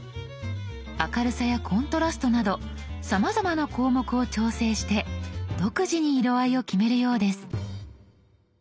明るさやコントラストなどさまざまな項目を調整して独自に色合いを決めるようです。